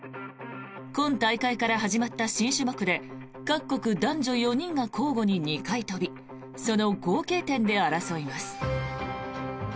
今大会から始まった新種目で各国男女４人が交互に２回飛びその合計点で争います。